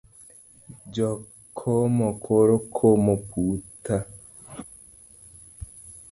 Jo komo koro komo putha.